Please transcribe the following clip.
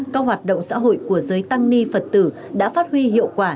các hoạt động xã hội của giới tăng ni phật tử đã phát huy hiệu quả